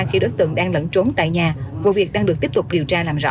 khi đối tượng đang lẫn trốn tại nhà vụ việc đang được tiếp tục điều tra làm rõ